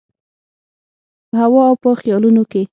په هوا او په خیالونو کي